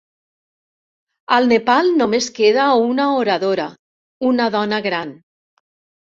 Al Nepal només queda una oradora, una dona gran.